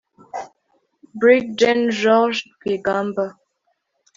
Brig Gen George Rwigamba